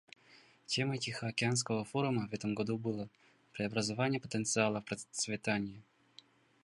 Темой Тихоокеанского форума в этом году было "Преобразование потенциала в процветание".